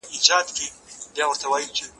زه به سبا کتاب وليکم،